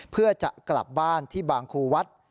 เพื่อจะกลับบ้านที่บางครูวัด